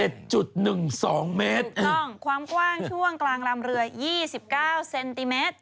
ถูกต้องความกว้างช่วงกลางลำเรือ๒๙เซนติเมตร